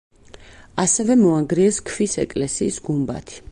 ასევე მოანგრიეს ქვის ეკლესიის გუმბათი.